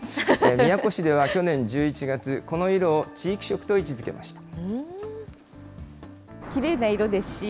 宮古市では去年１１月、この色を地域色と位置づけました。